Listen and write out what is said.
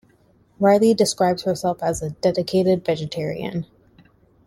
Riley describes herself as a "dedicated vegetarian".